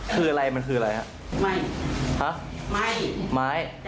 อ๋อคืออะไรมันคืออะไร